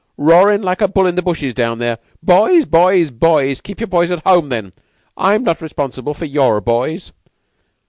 Roarin' like a bull in the bushes down there! Boys? Boys? Boys? Keep your boys at home, then! I'm not responsible for your boys!